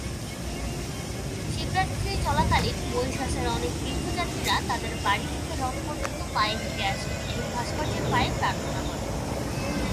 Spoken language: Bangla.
শিবরাত্রি চলাকালীন, মরিশাসের অনেক তীর্থযাত্রীরা তাদের বাড়ি থেকে হ্রদ পর্যন্ত পায়ে হেঁটে আসে এবং ভাস্কর্যের পায়ে প্রার্থনা করে।